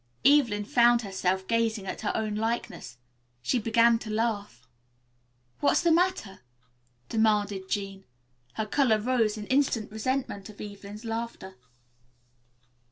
Evelyn found herself gazing at her own likeness. She began to laugh. "What's the matter?" demanded Jean. Her color rose in instant resentment of Evelyn's laughter.